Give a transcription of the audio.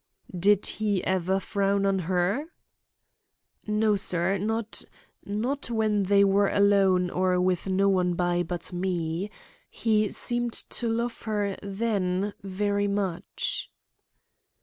"Did he ever frown on her?" "No, sir—not—not when they were alone or with no one by but me. He seemed to love her then very much."